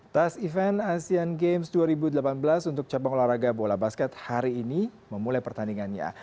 tas event asean games dua ribu delapan belas untuk cabang olahraga bola basket hari ini memulai pertandingannya